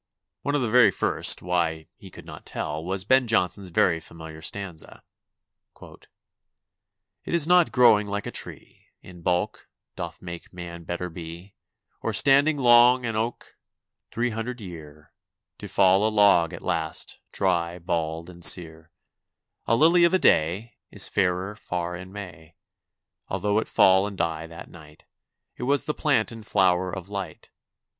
One of the very first, why he could not tell, was Ben Jonson's very familiar stanza: DIVERSIONS OF A CONVALESCENT 285 " It is not growing like a tree In bulk, doth make man better be; Or standing long an oak, three hundred year, To fall a log at last, dry, bald, and sere : A lily of a day Is fairer far in May, Although it fall and die that night — It was the plant and flower of Light.